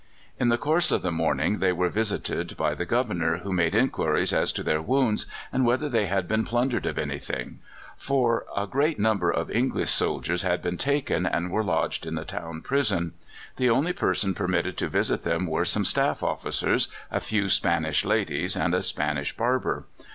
In the course of the morning they were visited by the Governor, who made inquiries as to their wounds, and whether they had been plundered of anything; for a great number of English soldiers had been taken, and were lodged in the town prison. The only persons permitted to visit them were some staff officers, a few Spanish ladies, and a Spanish barber.